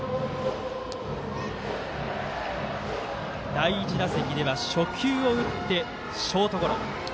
第１打席では初球を打ってショートゴロ。